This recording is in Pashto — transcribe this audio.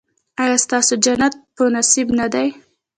ایا ستاسو جنت په نصیب نه دی؟